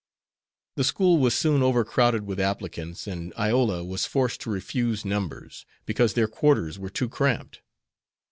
The school was soon overcrowded with applicants, and Iola was forced to refuse numbers, because their quarters were too cramped.